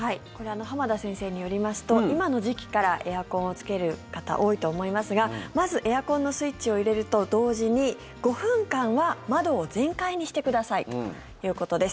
浜田先生によりますと今の時期からエアコンをつける方多いと思いますがまずエアコンのスイッチを入れると同時に５分間は窓を全開にしてくださいということです。